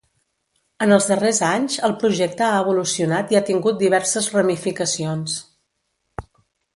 En els darrers anys, el projecte ha evolucionat i ha tingut diverses ramificacions.